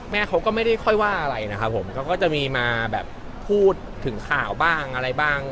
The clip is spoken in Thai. แม่เขาก็ไม่ได้ค่อยว่าอะไรนะครับผมเขาก็จะมีมาแบบพูดถึงข่าวบ้างอะไรบ้าง